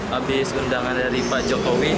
habis undangan dari pak jokowi